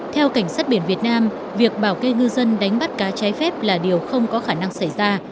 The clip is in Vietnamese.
theo cảnh sát biển việt nam việc bảo kê ngư dân đánh bắt cá trái phép là điều không có khả năng xảy ra